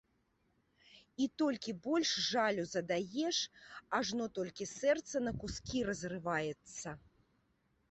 І толькі больш жалю задаеш, ажно толькі сэрца на кускі разрываецца.